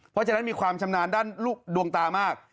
เพราะฉะนั้นมีความชำนาญด้านลูกดวงตามาก